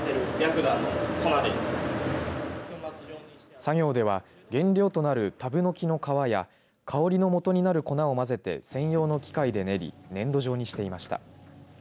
作業では原料となるタブノキの皮や香りのもとになる粉をまぜて専用の機械で練り粘土状にしていました。